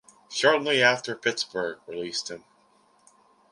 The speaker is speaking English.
Shortly after Pittsburgh released him.